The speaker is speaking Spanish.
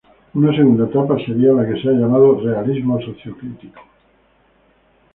Una segunda etapa sería la que se ha llamado realismo socio-crítico.